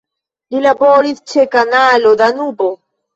Li laboris ĉe Kanalo Danubo.